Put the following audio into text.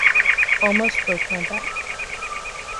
Almost broke my back.